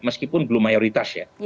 meskipun belum mayoritas ya